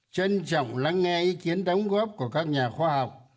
trân trọng lắng nghe ý kiến đóng góp của các nhà khoa học